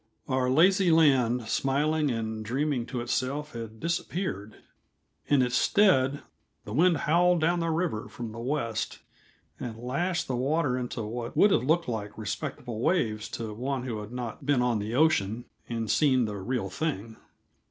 Our lazy land smiling and dreaming to itself had disappeared; in its stead, the wind howled down the river from the west and lashed the water into what would have looked respectable waves to one who had not been on the ocean and seen the real thing.